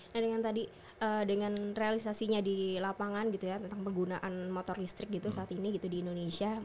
nah dengan tadi dengan realisasinya di lapangan gitu ya tentang penggunaan motor listrik gitu saat ini gitu di indonesia